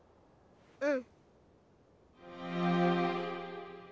うん。